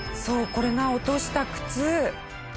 これが落とした靴。